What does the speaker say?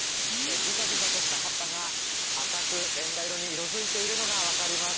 ギザギザとした葉っぱが赤くレンガ色に色づいているのが分かります。